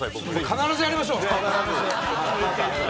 必ずやりましょう！